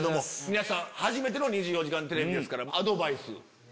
皆さん初めての『２４時間テレビ』ですから。